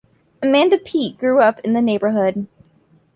Amanda Peet grew up in the neighborhood.